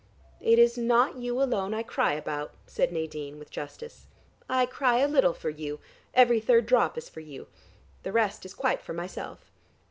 "It is not you alone I cry about," said Nadine with justice. "I cry a little for you, every third drop is for you. The rest is quite for myself."